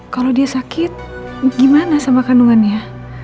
kalau dia sakit gimana sama kandungannya